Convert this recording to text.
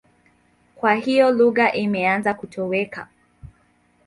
Kwa hiyo lugha imeanza kutoweka.